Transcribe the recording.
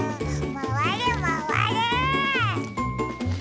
まわれまわれ！